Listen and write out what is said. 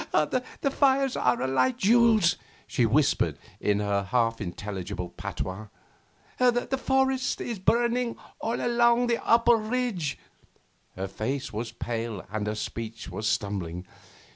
'The fires are alight, Jules,' she whispered in her half intelligible patois, 'the forest is burning all along the upper ridge.' Her face was pale and her speech came stumbling.